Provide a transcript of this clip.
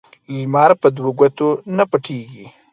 لمر په دوو گوتو نه پټېږي.